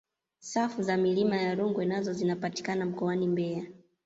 safu za milima ya rungwe nazo zinapatikana mkoani mbeya